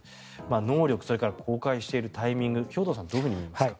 能力、それから公開しているタイミング兵頭さんはどういうふうに見ますか？